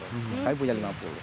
sekali punya lima puluh